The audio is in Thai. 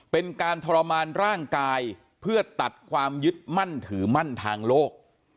เป็นการทรมานร่างกายเพื่อตัดความยึดมั่นถือมั่นทางโลก